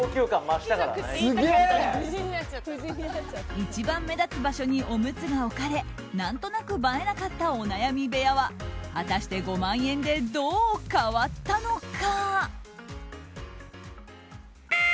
一番目立つ場所におむつが置かれ何となく映えなかったお悩み部屋は果たして５万円でどう変わったのか？